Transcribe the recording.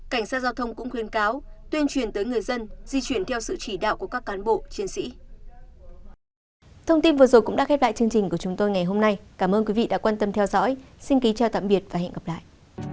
cảnh sát giao thông cũng khuyên cáo tuyên truyền tới người dân di chuyển theo sự chỉ đạo của các cán bộ chiến sĩ